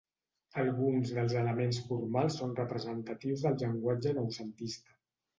Alguns dels elements formals són representatius del llenguatge noucentista.